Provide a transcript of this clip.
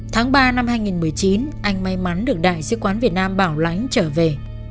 tháng ba năm hai nghìn một mươi chín anh may mắn được đại sứ quán việt nam bảo lãnh trở về